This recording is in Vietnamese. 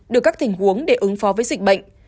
được các tình huống để ứng phó với dịch bệnh